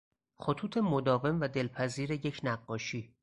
خطوط مداوم و دلپذیر در یک نقاشی